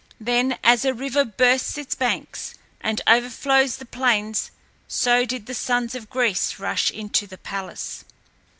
Then, as a river bursts its banks and overflows the plain, so did the sons of Greece rush into the palace.